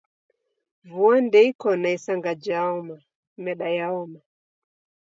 Vua ndeiko na isanga jhaoma, meda yaoma